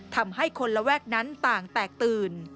ทำให้คนระแวกนั้นต่างแตกตื่น